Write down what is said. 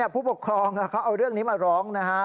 ผู้ปกครองเขาเอาเรื่องนี้มาร้องนะฮะ